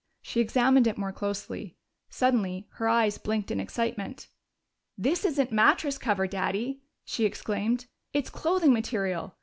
She examined it more closely. Suddenly her eyes blinked in excitement. "This isn't mattress cover, Daddy!" she exclaimed. "It's clothing material!